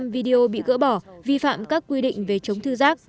hai mươi tám video bị gỡ bỏ vi phạm các quy định về chống thư giác